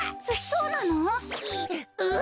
そそうなの？